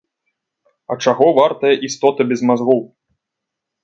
А чаго вартая істота без мазгоў?